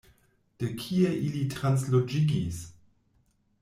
De kie ili transloĝigis?